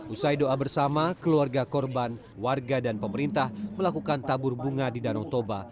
usai doa bersama keluarga korban warga dan pemerintah melakukan tabur bunga di danau toba